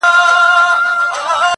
پر طالع دي برابر هغه لوی ښار سي؛